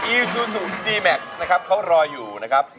อิซซูดีแม็คเตอร์สนะครับเขารออยู่นะครับ